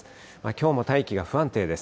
きょうも大気が不安定です。